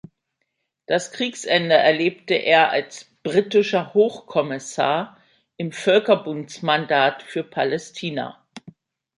Das Kriegsende erlebte er als britischer Hochkommissar im Völkerbundsmandat für Palästina.